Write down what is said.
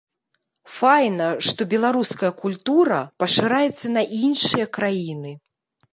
Файна, што беларуская культура пашыраецца на іншыя краіны.